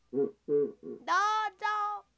どうぞ。